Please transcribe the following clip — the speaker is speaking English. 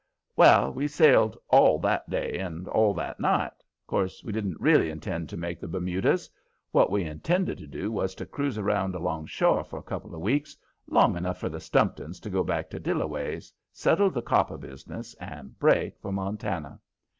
Well, we sailed all that day and all that night. 'Course we didn't really intend to make the Bermudas. What we intended to do was to cruise around alongshore for a couple of weeks, long enough for the Stumptons to get back to Dillaway's, settle the copper business and break for Montana.